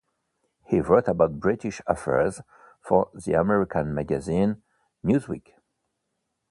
He wrote about British affairs for the American magazine "Newsweek".